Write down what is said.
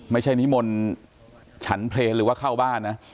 นิมนต์ฉันเพลงหรือว่าเข้าบ้านนะ